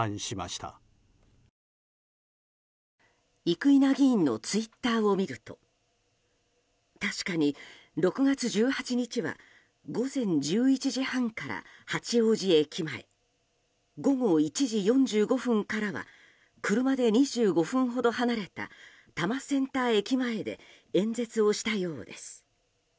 生稲議員のツイッターを見ると確かに６月１８日は午前１１時半から八王子駅前午後１時４５分からは車で２５分ほど離れた多摩センター駅前で演説をしたようです。